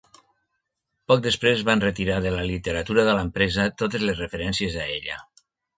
Poc després, es van retirar de la literatura de l'empresa totes les referències a ella.